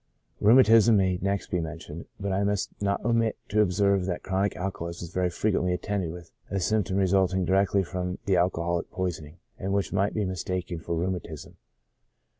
Rheumatism may next be mentioned, but I must not omit to observe that chronic alcoholism is very frequently attended with a symp tom resulting directly from the alcoholic poisoning, and which might be mistaken for rheumatism.